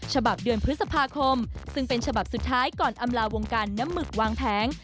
ฉบับเดือนพฤษภาคมซึ่งเป็นฉบับสุดท้ายก่อนอำลาวงการน้ำหมึกวางแผง